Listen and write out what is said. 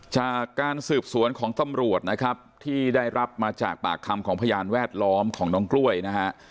จากการสืบสวนของตำรวจนะครับที่ได้รับมาจากปากคำของพยานแวดล้อมของน้องกล้วยนะฮะ